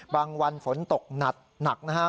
บางวันฝนตกหนัดหนักนะฮะ